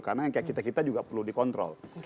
karena yang kayak kita kita juga perlu dikontrol